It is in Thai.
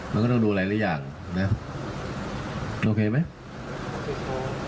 มันก็ต้องดูหลายอย่างนะโอเคไหม